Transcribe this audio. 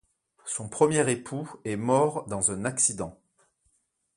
Son premier époux est mort dans un accident.